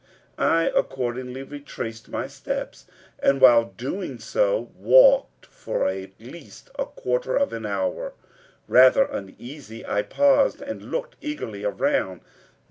I accordingly retraced my steps and, while doing so, walked for at least a quarter of an hour. Rather uneasy, I paused and looked eagerly around.